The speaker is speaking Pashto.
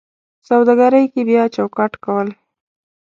په سوداګرۍ کې بیا چوکاټ کول: